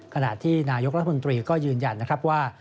ขณะที่นายกรัฐมนตรีก็ยืนยันนะครับว่า